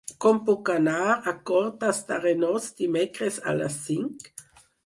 Com puc anar a Cortes d'Arenós dimecres a les cinc?